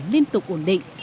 liên tục ổn định